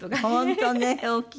本当ね大きい。